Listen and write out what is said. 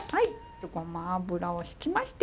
ごま油を引きまして。